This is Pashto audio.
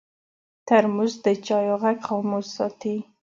ترموز د چایو غږ خاموش ساتي.